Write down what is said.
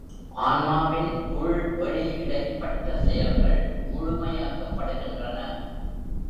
ஆன்மாவின் உள், வெளி, இடைப்பட்ட செயல்கள் முழுமையாக்கப்படுகின்றன.